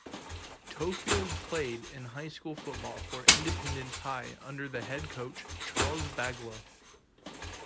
Toefield played high-school football for Independence High under head coach Charles Baglio.